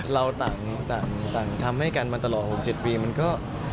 เราต่างทำให้กันมาตลอด๖๗ปีมันก็